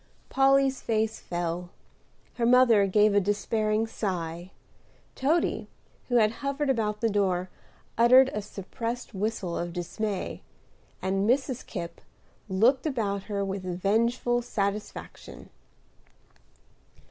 Polly's face fell; her mother gave a despairing sigh; Toady, who had hovered about the door, uttered a suppressed whistle of dismay; and Mrs. Kipp looked about her with vengeful satisfaction.